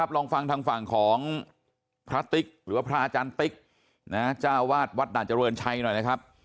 ลองฟังทางฝั่งของพระติ๊กหรือว่าพระอาจารย์ติ๊กจ้าวาดวัดด่านเจริญชัยหน่อยนะครับ